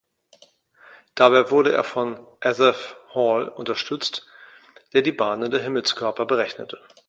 Dabei wurde er von Asaph Hall unterstützt, der die Bahnen der Himmelskörper berechnete.